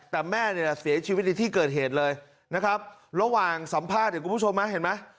แต่แม่เนี่ยเสียชีวิตในที่เกิดเหตุเลยนะครับระหว่างสัมภาษณ์เนี่ยคุณผู้ชมนะเห็นไหม